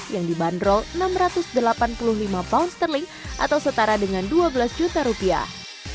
yang dibanderol enam ratus delapan puluh lima pound sterling atau setara dengan dua belas juta rupiah